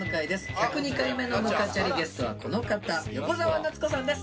１０２回目のムカチャリゲストはこの方横澤夏子さんです